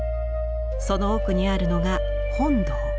その奥にあるのが本堂。